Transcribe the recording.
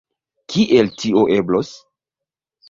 Kiel tio eblos?